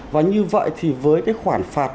và như vậy thì với cái khoản phạt